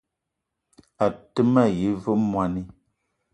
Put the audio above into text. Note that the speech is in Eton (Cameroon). A te ma yi ve mwoani